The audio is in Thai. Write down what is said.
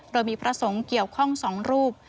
โดยมีพระสงฆ์เกี่ยวข้อง๒รูป